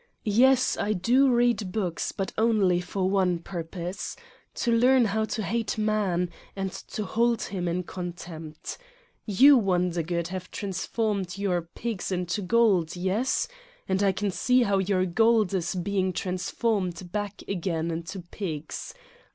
Yes, I do read books but only for one purpose; to learn how to hate man and to hold him in contempt. You, Wondergood, have transformed your pigs into gold, yes? And I can see how your gold is being transformed back again into pigs.